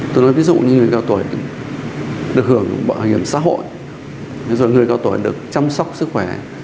tôi nói ví dụ như người cao tuổi được hưởng bảo hiểm xã hội rồi người cao tuổi được chăm sóc sức khỏe